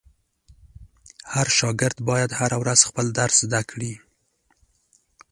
هر شاګرد باید هره ورځ خپل درس زده کړي.